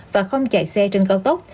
và không chạy xe trên cao tốc